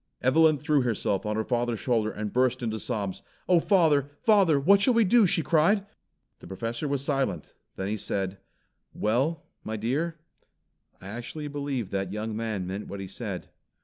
Evelyn threw herself on her father's shoulder and burst into sobs. "Oh, father, father, what shall we do?" she cried. The Professor was silent, then he said, "Well, my dear, I actually believe that young man meant what he said."